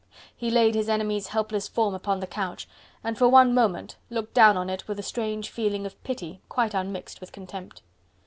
He laid his enemy's helpless form upon the couch, and for one moment looked down on it with a strange feeling of pity quite unmixed with contempt.